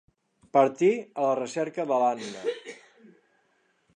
Partí a la recerca de l'Anna.